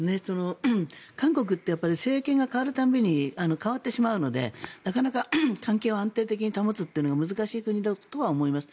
韓国って政権が代わる度に変わってしまうのでなかなか、関係を安定的に保つっていうのが難しい国だとは思います。